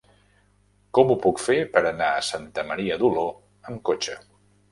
Com ho puc fer per anar a Santa Maria d'Oló amb cotxe?